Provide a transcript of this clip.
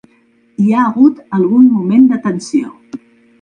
Hi ha hagut algun moment de tensió.